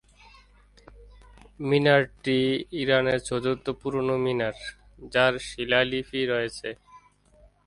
মিনারটি ইরানের চতুর্থ পুরনো মিনার, যার শিলালিপি রয়েছে।